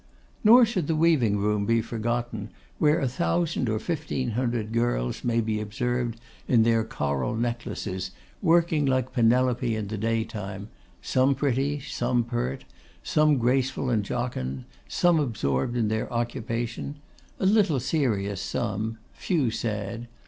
Nor should the weaving room be forgotten, where a thousand or fifteen hundred girls may be observed in their coral necklaces, working like Penelope in the daytime; some pretty, some pert, some graceful and jocund, some absorbed in their occupation; a little serious some, few sad.